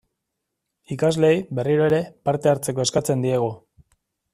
Ikasleei, berriro ere, parte hartzeko eskatzen diegu.